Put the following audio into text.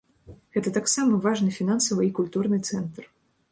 Гэта таксама важны фінансавы і культурны цэнтр.